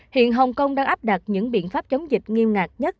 hiện hồng kông đang áp đặt những biện pháp chống dịch nghiêm ngặt nhất